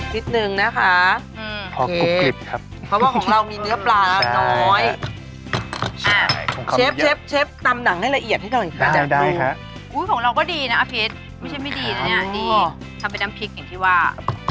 นิดหนึ่งนะคะโอเคเพราะว่าของเรามีเนื้อปลารับน้อยอ่ะเชฟตำดังให้ละเอียดให้หน่อยค่ะแบบนี้อุ๊ยของเราก็ดีนะอภิษฐ์ไม่ใช่ไม่ดีนะเนี่ยดีทำเป็นดำพริกอย่างที่ว่า